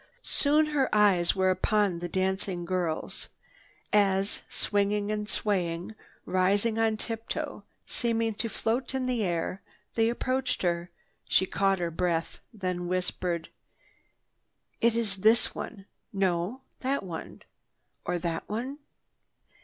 Soon her eyes were upon the dancing girls. As, swinging and swaying, rising on tip toe, seeming to float in air, they approached her, she caught her breath, then whispered: "It is this one. No, that one—or that one."